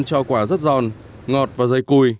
cho quả rất giòn ngọt và dày cùi